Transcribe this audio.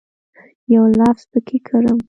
یو لفظ پکښې کرم